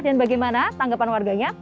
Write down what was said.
dan bagaimana tanggapan warganya